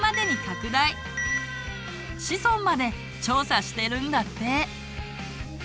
子孫まで調査してるんだって。